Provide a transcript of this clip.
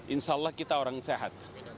insya allah kita orang sehat